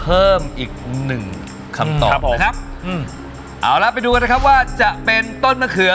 เพิ่มอีกหนึ่งคำตอบครับผมครับอืมเอาละไปดูกันนะครับว่าจะเป็นต้นมะเขือ